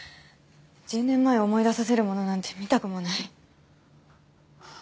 １０年前を思い出させるものなんて見たくもない。